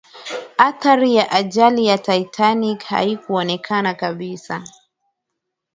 athari ya ajali ya titanic haikuonekana kabisa